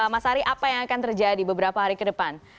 mas ari apa yang akan terjadi beberapa hari ke depan